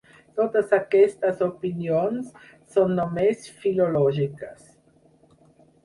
Totes aquestes opinions són només filològiques.